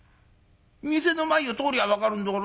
店の前を通りゃあ分かるんだから。